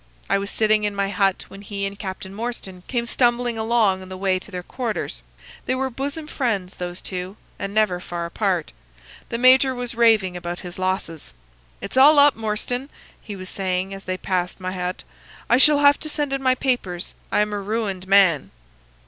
I was sitting in my hut when he and Captain Morstan came stumbling along on the way to their quarters. They were bosom friends, those two, and never far apart. The major was raving about his losses. "'It's all up, Morstan,' he was saying, as they passed my hut. 'I shall have to send in my papers. I am a ruined man.